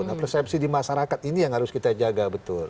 nah persepsi di masyarakat ini yang harus kita jaga betul